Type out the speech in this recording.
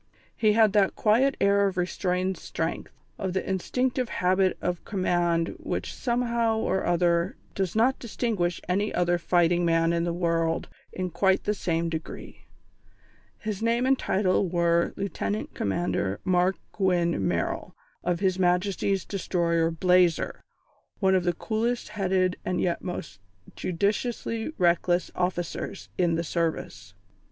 He had that quiet air of restrained strength, of the instinctive habit of command which somehow or other does not distinguish any other fighting man in the world in quite the same degree. His name and title were Lieutenant Commander Mark Gwynne Merrill, of His Majesty's Destroyer Blazer, one of the coolest headed and yet most judiciously reckless officers in the Service.